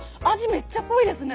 めっちゃ濃いですね。